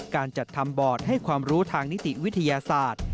การจัดทำบอร์ดให้ความรู้ทางนิติวิทยาศาสตร์